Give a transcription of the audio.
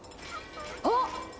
あっ！